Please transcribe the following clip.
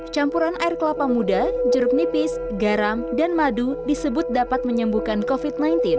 campuran air kelapa muda jeruk nipis garam dan madu disebut dapat menyembuhkan covid sembilan belas